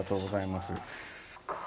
すごい！